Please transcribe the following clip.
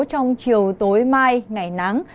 trong chiều tối mai ngày nắng